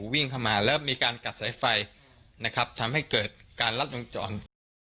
วิ่งเข้ามาแล้วมีการกัดสายไฟนะครับทำให้เกิดการลัดวงจร